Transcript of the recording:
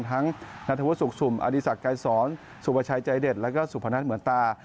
ทั้งนัฐวุศุกษุมน์อดีศักดิ์กายสอนสุประชายใจเด็ดแล้วก็สุพนัทเหมือนตา